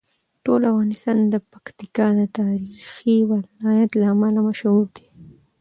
ټول افغانستان د پکتیکا د تاریخي ولایت له امله مشهور دی.